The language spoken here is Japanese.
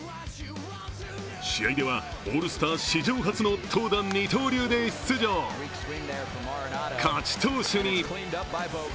試合ではオールスター史上初の投打二刀流で出場、勝ち投手に。